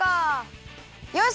よし！